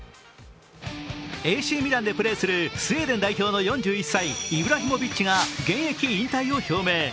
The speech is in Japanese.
ＡＣミランでプレーする４１歳、イブラヒモビッチが現役引退を表明。